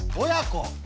親子？